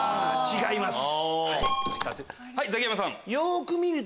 違います。